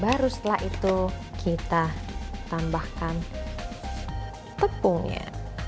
baru setelah itu kita tambahkan tepungnya